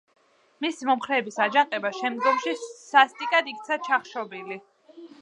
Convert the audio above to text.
მისი მომხრეების აჯანყება შემდგომში სასტიკად იქნა ჩახშობილი.